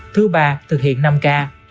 thứ ba thực hiện năm k